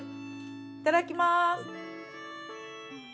いただきます。